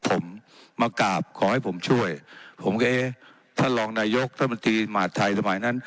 ผมมากราบขอให้ผมช่วยผมก็เอ๊ะท่านรองนายกรัฐมนตรีหมาดไทยสมัยนั้น